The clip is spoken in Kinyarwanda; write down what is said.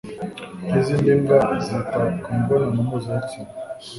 nkizindi mbwa zita ku mibonano mpuzabitsina